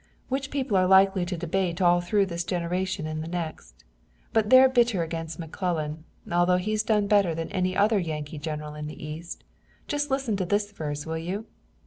"Which people are likely to debate all through this generation and the next. But they're bitter against McClellan, although he's done better than any other Yankee general in the east. Just listen to this verse, will you?